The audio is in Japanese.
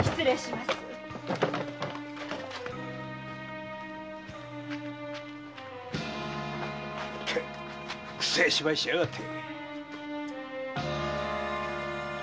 クサい芝居しやがって！